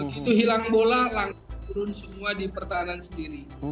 begitu hilang bola langsung turun semua di pertahanan sendiri